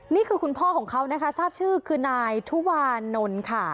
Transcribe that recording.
นี่คือคุณพ่อของเขานะคะทราบชื่อคือนายทุวานนท์ค่ะ